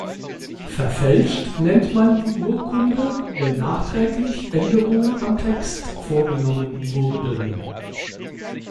Verfälscht nennt man die Urkunde, wenn nachträglich Änderungen am Text vorgenommen wurden.